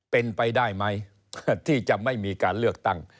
เป็นไปได้ไหมเพื่อที่จะไม่มีการเลือกตั้ง